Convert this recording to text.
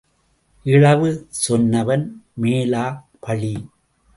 இழவு சொன்னவன் மேலா பழி?